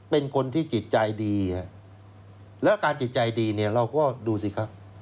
เป็นคนที่จิตใจดีแล้วอาการจิตใจดีเนี่ยเราก็ดูสิครับ